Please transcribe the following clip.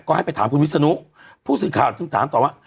ก็ให้ไปถามคุณวิศนุผู้สิทธิ์ข่าวตามตอบว่า